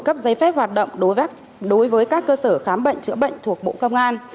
cấp giấy phép hoạt động đối với các cơ sở khám bệnh chữa bệnh thuộc bộ công an